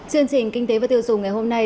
chương trình kinh tế và tiêu dùng ngày hôm nay